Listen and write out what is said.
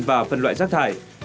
và phân loại rác thải